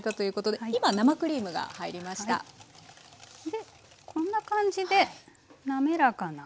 でこんな感じで滑らかな。